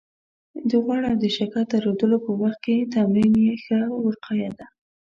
د غوړ او د شکر درلودلو په وخت کې تمرین يې ښه وقايه ده